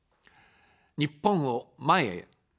日本を、前へ。